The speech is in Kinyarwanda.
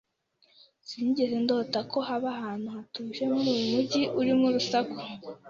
Sinigeze ndota ko haba ahantu hatuje muri uyu mujyi urimo urusaku.